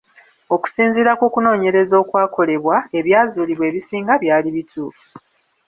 Okusinziira ku kunoonyereza okwakolebwa, ebyazuulibwa ebisinga byali bituufu.